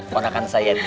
konakan saya juga